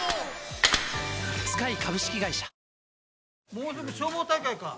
もうすぐ消防大会か。